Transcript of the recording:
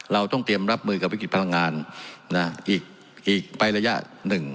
เราต้องเตรียมรับมือกับวิกฤตพลังงานอีกไประยะหนึ่ง